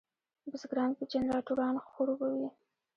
بزګران په جنراټورانو خړوبوي.